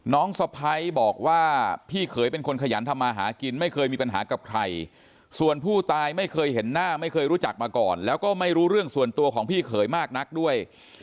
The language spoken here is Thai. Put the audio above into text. สะพ้ายบอกว่าพี่เขยเป็นคนขยันทำมาหากินไม่เคยมีปัญหากับใครส่วนผู้ตายไม่เคยเห็นหน้าไม่เคยรู้จักมาก่อนแล้วก็ไม่รู้เรื่องส่วนตัวของพี่เขยมากนักด้วย